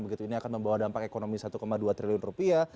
begitu ini akan membawa dampak ekonomi satu dua triliun rupiah